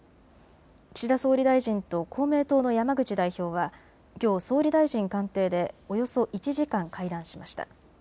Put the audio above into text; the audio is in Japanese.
岸田総理大臣と公明党の山口代表はきょう総理大臣官邸でおよそ１時間、会談しました。